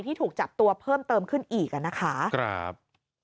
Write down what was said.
ที่ถูกจับตัวเพิ่มเติมขึ้นอีกอ่ะนะคะครับ